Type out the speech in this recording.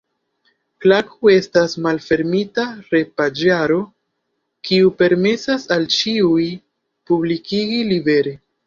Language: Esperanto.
Klaku estas malfermita retpaĝaro, kiu permesas al ĉiuj publikigi libere.